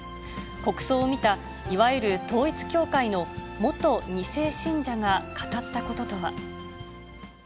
国葬を見た、いわゆる統一教会の元２世信者が語ったこととは。